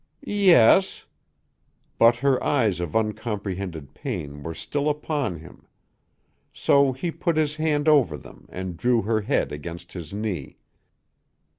"Yes." But her eyes of uncomprehended pain were still upon him. So he put his hand over them and drew her head against his knee.